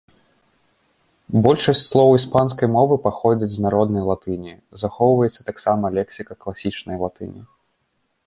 Большасць слоў іспанскай мовы паходзіць з народнай латыні, захоўваецца таксама лексіка класічнай латыні.